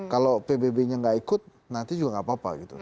kalau pbb nya nggak ikut nanti juga nggak apa apa gitu